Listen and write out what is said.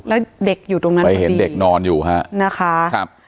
แล้วเด็กอยู่ตรงนั้นไปเห็นเด็กนอนอยู่ค่ะ